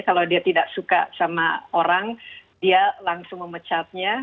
kalau dia tidak suka sama orang dia langsung memecatnya